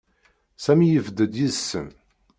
Sami yebded yid-sen.